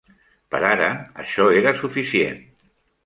Per ara, això era suficient.